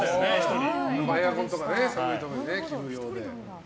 エアコンとか寒いところで着る用で。